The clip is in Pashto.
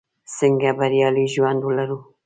څنګه بریالی ژوند ولرو?